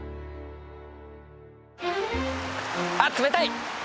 あっ冷たい！